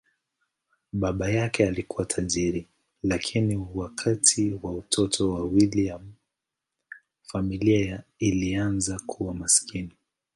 Baba yake alikuwa tajiri, lakini wakati wa utoto wa William, familia ilianza kuwa maskini.